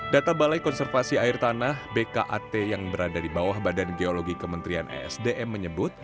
data balai konservasi air tanah bkat yang berada di bawah badan geologi kementerian esdm menyebut